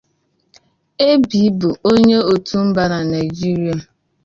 Ebi bụ onye otu mba na naijiria.